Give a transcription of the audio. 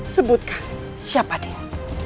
sebutkan siapa dia